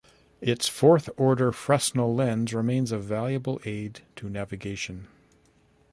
Its Fourth Order Fresnel lens remains a valuable aid to navigation.